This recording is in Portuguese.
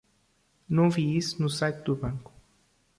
Não vi isso no site do banco